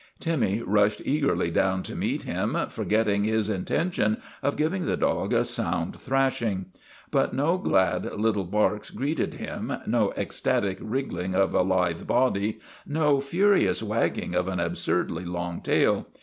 Timmy rushed eagerly down to meet him, for getting his intention of giving the dog a sound thrashing. But no glad little bark greeted him, no ecstatic wriggling of a lithe body, no furious wag ging of an absurdly long tail.